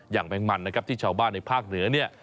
อย่างแม่งมันนะครับที่ชาวบ้านในภาคเหนือนี้